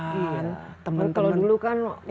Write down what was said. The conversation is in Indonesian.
teman teman dulu kan